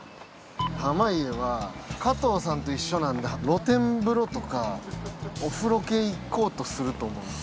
濱家は加藤さんと一緒なんで露天風呂とかお風呂系行こうとすると思うんです。